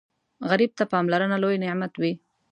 غریب ته پاملرنه لوی نعمت وي